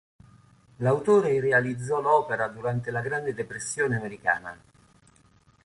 L'autore realizzò l'opera durante la grande depressione americana.